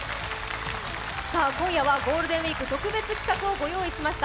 今夜はゴールデンウイーク特別企画をご用意しました。